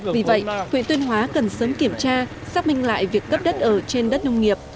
vì vậy huyện tuyên hóa cần sớm kiểm tra xác minh lại việc cấp đất ở trên đất nông nghiệp